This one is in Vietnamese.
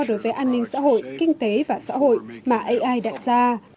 đối với an ninh xã hội kinh tế và xã hội mà ai đặt ra